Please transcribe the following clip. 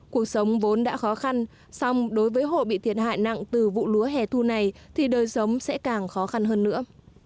cuộc sống vốn đã khó khăn xong đối với hộ bị thiệt hại nặng từ vụ lúa hẻ thu này thì đời sống sẽ càng khó khăn hơn nữa